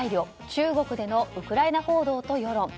中国でのウクライナ報道と世論。